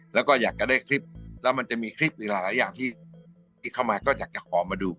แล้วก็อยากจะได้คลิปแล้วมันจะมีคลิปอีกหลายอย่างที่เข้ามาก็อยากจะขอมาดู